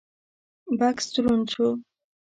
بکس دروند شو: